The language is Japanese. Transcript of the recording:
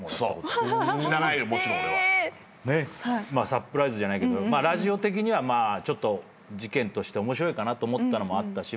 サプライズじゃないけどラジオ的には事件として面白いかなと思ったのもあったし。